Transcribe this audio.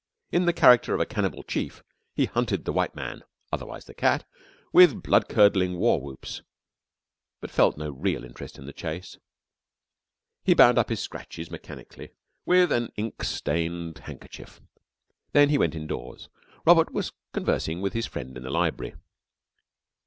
In the character of a cannibal chief he hunted the white man (otherwise the cat) with blood curdling war whoops, but felt no real interest in the chase. He bound up his scratches mechanically with an ink stained handkerchief. Then he went indoors. Robert was conversing with his friend in the library.